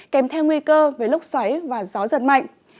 kèm theo nguy cơ với lúc xoáy và gió giật mạnh